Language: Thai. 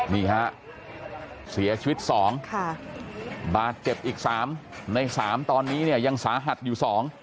นี่ฮะเสียชีวิต๒บาดเจ็บอีก๓ใน๓ตอนนี้เนี่ยยังสาหัสอยู่๒